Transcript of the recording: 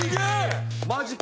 マジか。